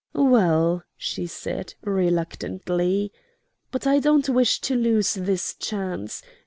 "Well," she said, reluctantly, "but I don't wish to lose this chance.